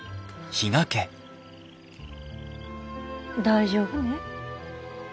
大丈夫ね？